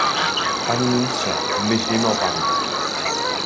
Panie ministrze, myślimy o panu!